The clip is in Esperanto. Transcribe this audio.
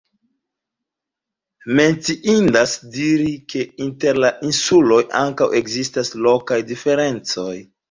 Menciindas diri ke inter la insuloj ankaŭ ekzistas lokaj diferencoj.